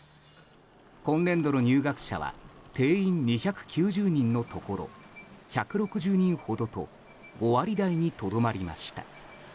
今年度の入学者は定員２９０人のところ１６０人ほどと５割台にとどまりました。